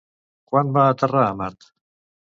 Quan va aterrar a Mart?